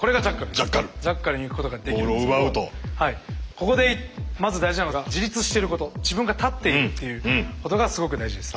ここでまず大事なのが自分が立っているっていうことがすごく大事です。